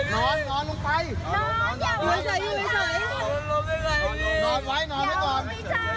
นอนอย่าเอามาเจ็บ